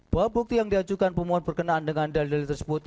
bahwa bukti yang diajukan pemohon berkenaan dengan dalil dalil tersebut